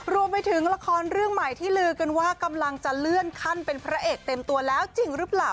รวมไปถึงละครเรื่องใหม่ที่ลือกันว่ากำลังจะเลื่อนขั้นเป็นพระเอกเต็มตัวแล้วจริงหรือเปล่า